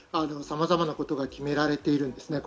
さまざまなことが決められています。